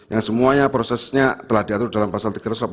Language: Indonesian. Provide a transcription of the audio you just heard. yang semuanya prosesnya telah diatur dalam pasal tiga ratus delapan puluh